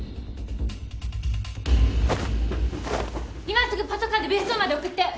今すぐパトカーで別荘まで送って！